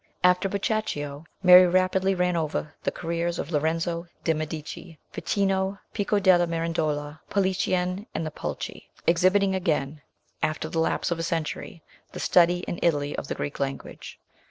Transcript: After Boccaccio, Mary rapidly ran over the careers of Lorenzo de' Medici, Ficino, Pico della Mirandola, Politiau, and the Pulci, exhibiting again, after the lapse of a century, the study in Italy of the Greek language.